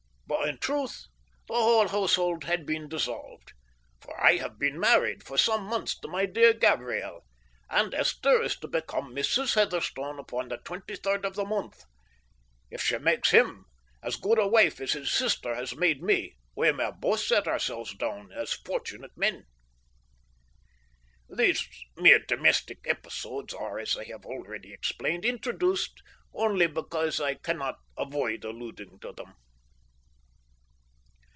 But, in truth, the whole household has been dissolved, for I have been married for some months to my dear Gabriel, and Esther is to become Mrs. Heatherstone upon the 23rd of the month. If she makes him as good a wife as his sister has made me, we may both set ourselves down as fortunate men. These mere domestic episodes are, as I have already explained, introduced only because I cannot avoid alluding to them.